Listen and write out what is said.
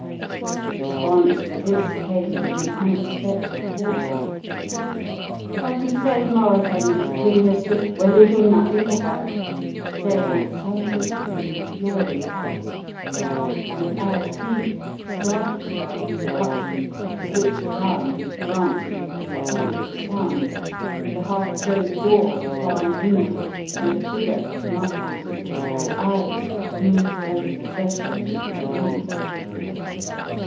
The response to this came from an unexpected quarter. "But to save Mauravania's queen, monsieur? Will you do nothing for her?" said an excited and imploring voice. And as Cleek, startled by the interruption, switched round and glanced in the direction of the sound, the half dosed door swung inward and a figure, muffled to the very eyes, moved over the threshold into the room.